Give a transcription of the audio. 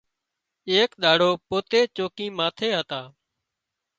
ايڪ ڏاڙو پوتي چوڪي ماٿي هتا